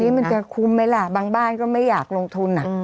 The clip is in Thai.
มันจะคุ้มไหมล่ะบางบ้านก็ไม่อยากลงทุน